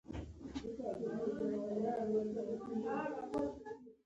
مهارت د بریا راز دی.